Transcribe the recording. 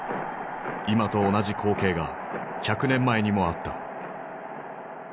今と同じ光景が１００年前にもあった。